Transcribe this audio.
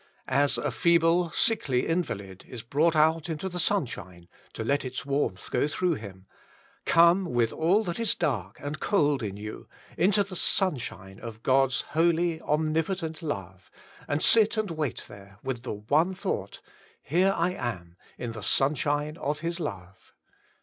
As a feeble, sickly invalid is brought out into the sunshine to let its warmth go through him, come with all that is dark and cold in you into the sunshine of God^s holyy omnipotent love,, and sit and wait there, with the one thought : Here I am, in the sunshine of His love.